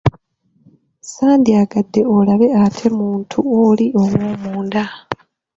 Sandiyagadde olabe ate muntu oli ow'omunda.